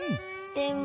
でも。